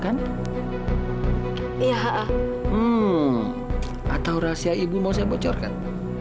hmm atau rahasia ibu mau saya bocorkan